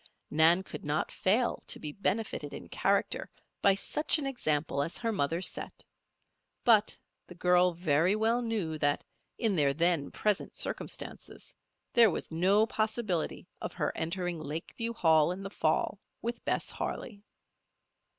Nan could not fail to be benefited in character by such an example as her mother set; but the girl very well knew that, in their then present circumstances, there was no possibility of her entering Lakeview Hall in the fall with Bess Harley.